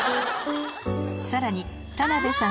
さらに田辺さん